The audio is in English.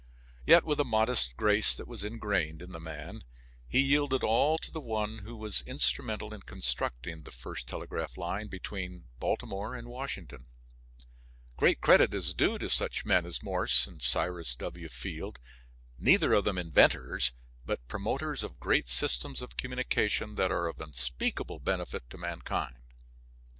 Yet with the modest grace that was ingrained in the man he yielded all to the one who was instrumental in constructing the first telegraph line between Baltimore and Washington. Great credit is due to such men as Morse and Cyrus W. Field neither of them inventors, but promoters of great systems of communication that are of unspeakable benefit to mankind.